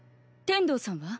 天童さんは？